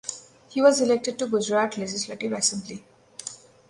He was elected to Gujarat Legislative Assembly.